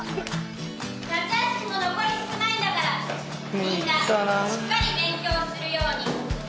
夏休みも残り少ないんだからみんなしっかり勉強するように。